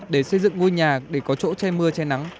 để xây dựng ngôi nhà để có chỗ che mưa che nắng